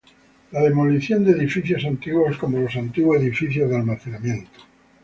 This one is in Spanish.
La demolición de edificios antiguos, como los antiguos edificios de almacenamiento.